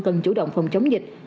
cần chủ động phòng chống dịch